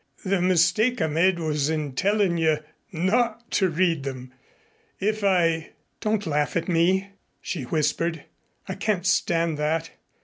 The mistake I made was in tellin' you not to read them. If I " "Don't laugh at me," she whispered. "I can't stand that.